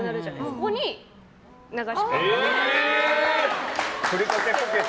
ここに流し込んでつける。